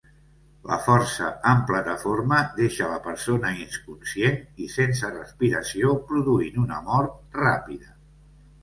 La forca amb plataforma deixa la persona inconscient i sense respiració, produint una mort ràpida.